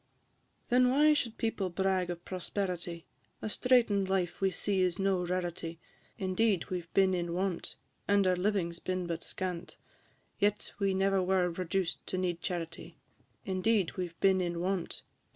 Then why should people brag of prosperity? A straiten'd life we see is no rarity; Indeed, we 've been in want, And our living 's been but scant, Yet we never were reduced to need charity; Indeed, we 've been in want, &c.